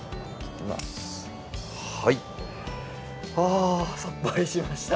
あさっぱりしました。